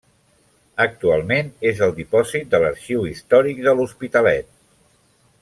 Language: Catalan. Actualment és el dipòsit de l'Arxiu Històric de l'Hospitalet.